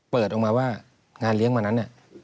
เปิดออกมาว่างานเลี้ยงวันนั้นเนี่ย